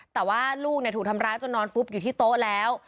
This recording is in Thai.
แต่ว่าลูกถูกทำร้ายจนนอนฟุบอยู่ที่โต๊ะแล้ว